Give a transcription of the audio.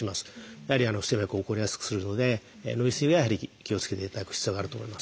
やはり不整脈を起こりやすくするので飲み過ぎはやはり気をつけていただく必要があると思います。